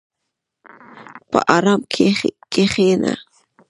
په ارام کښېنه.